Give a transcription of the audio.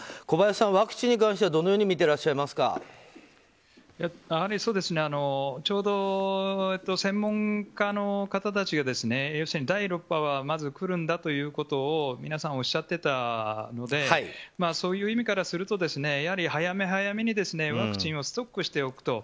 小林さん、ワクチンに関してはどのようにちょうど専門家の方たちが第６波はまず、くるんだということを皆さんおっしゃってたのでそういう意味からすると早め早めにワクチンをストックしておく。